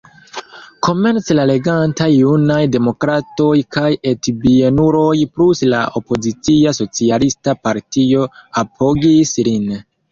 Komence la regantaj Junaj Demokratoj kaj Etbienuloj plus la opozicia Socialista Partio apogis lin.